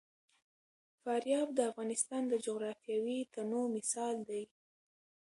فاریاب د افغانستان د جغرافیوي تنوع مثال دی.